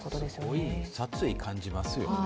すごい殺意を感じますよね。